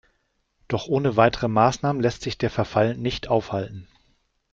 Doch ohne weitere Maßnahmen lässt sich der Verfall nicht aufhalten.